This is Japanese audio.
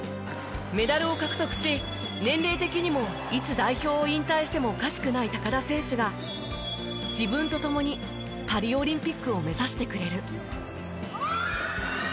メダルを獲得し年齢的にもいつ代表を引退してもおかしくない田選手が自分と共にパリオリンピックを目指してくれる。